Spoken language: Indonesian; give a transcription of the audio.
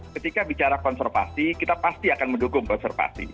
ketika bicara konservasi kita pasti akan mendukung konservasi